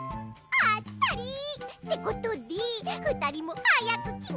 あったり！ってことでふたりもはやくきなよ！